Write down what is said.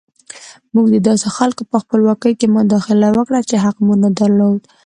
موږ د داسې خلکو په خپلواکۍ کې مداخله وکړه چې حق مو نه درلود.